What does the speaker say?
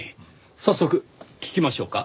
早速聞きましょうか。